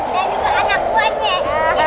dan juga anakku aja